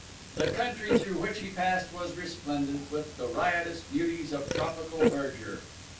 The country through which he passed was resplendent with the riotous beauties of tropical verdure.